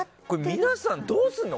皆さん、どうすんの？